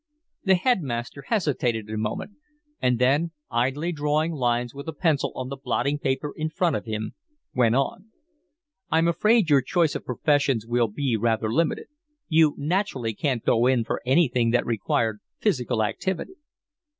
The headmaster hesitated a moment, and then, idly drawing lines with a pencil on the blotting paper in front of him, went on. "I'm afraid your choice of professions will be rather limited. You naturally couldn't go in for anything that required physical activity."